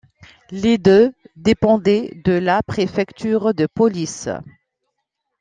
Les deux dépendaient de la préfecture de police.